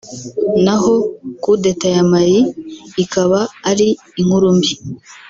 naho kudeta ya Mali ikaba ari inkuru mbi